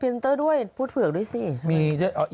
เป็นชครรภาพแต่งหน้า